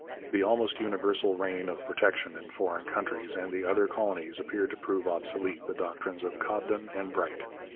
The almost universal reign of protection in foreign countries and the other colonies appeared to prove obsolete the doctrines of Cobden and Bright.